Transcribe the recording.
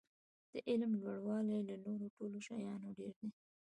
د علم لوړاوی له نورو ټولو شیانو ډېر دی.